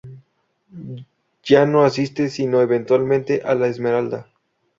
Ya no asiste sino eventualmente a "la Esmeralda".